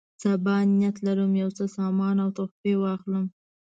سبا نیت لرم یو څه سامان او تحفې واخلم.